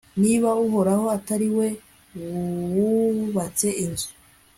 niba uhoraho atari we wubatse inzu